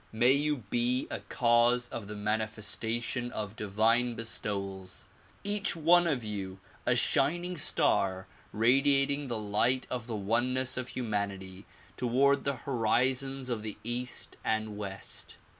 May you be a cause of the manifestation of divine bestowals ; each one of you a shining star radiating the light of the oneness of humanity toward the horizons of the east and west.